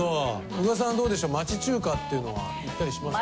宇賀さんはどうでしょう町中華っていうのは行ったりしますか？